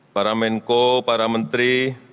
para menko para menteri